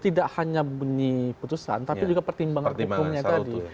tidak hanya benih putusan tapi juga pertimbangan hukumnya tadi